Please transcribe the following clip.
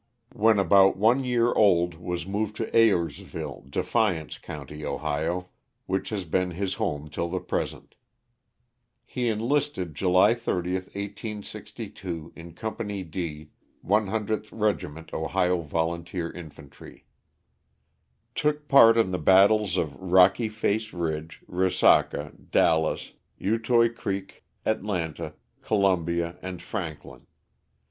When about one year old was •moved to Ayersville, Defiance county, Ohio, which has been his home till the present. He enlisted July 30, 1862, in Company D, 100th Regiment Ohio Volunteer Infantry. Took part in the battles of Rocky Face Ridge, Resaca, Dallas, Utoy Creek, Atlanta, Columbia and Franklin.